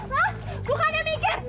hah bukan yang mikir